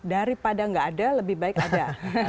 daripada nggak ada lebih baik ada